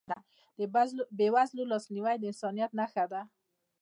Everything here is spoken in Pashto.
د بېوزلو لاسنیوی د انسانیت نښه ده.